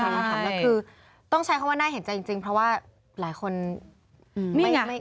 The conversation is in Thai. แล้วคือต้องใช้คำว่าน่าเห็นใจจริงเพราะว่าหลายคน